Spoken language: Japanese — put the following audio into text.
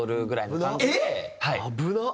危なっ！